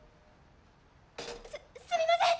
すっすみません！